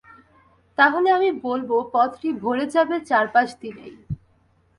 তাহলে আমি বলব পদটি ভরে যাবে চার পাচ দিনেই।